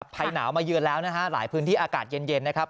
ภายหนาวมาเยือนแล้วนะฮะหลายพื้นที่อากาศเย็นนะครับ